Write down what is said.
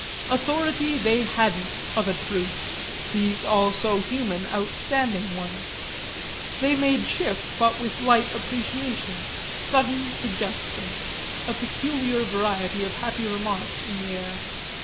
Authority they hadn't, of a truth, these all so human outstanding ones; they made shift but with light appreciation, sudden suggestion, a peculiar variety of happy remark in the air.